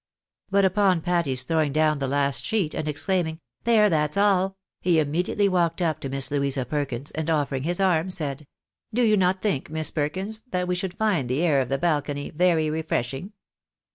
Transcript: But upon Patty's throwing down the last sheet, and exclaiming, " There, that's all !'' he immediately walked up to Miss Louisa Perkins, and offering his arm, said —" Do you not think. Miss Perkins, that we should find the air of the balcony very refreshing